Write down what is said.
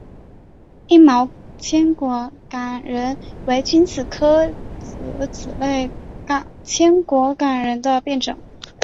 硬毛千果榄仁为使君子科诃子属千果榄仁的变种。